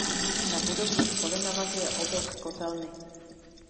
Na budovu školy navazuje objekt kotelny.